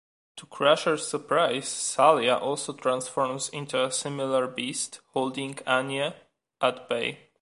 To Crusher's surprise, Salia also transforms into a similar beast, holding Anya at bay.